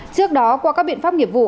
trước đó qua các biện pháp nghiệp vụ